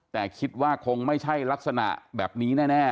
แต่คิดว่าคงไม่ใช่ลักษณะแบบนี้แน่